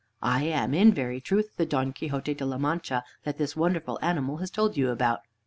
I am in very truth the Don Quixote de la Mancha that this wonderful animal has told you about."